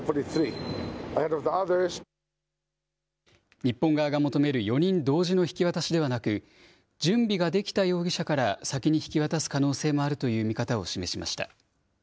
日本側が求める４人同時の引き渡しではなく、準備ができた容疑者から先に引き渡す可能性もあるという見方を示しました。